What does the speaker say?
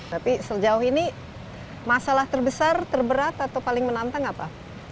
tapi sejauh ini masalah terbesar terberat atau paling menantang apa